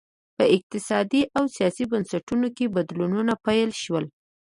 په اقتصادي او سیاسي بنسټونو کې بدلونونه پیل شول